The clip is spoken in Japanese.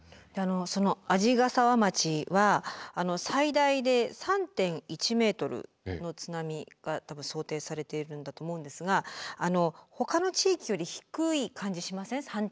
その鰺ヶ沢町は最大で３．１ｍの津波が想定されているんだと思うんですがほかの地域より低い感じしません？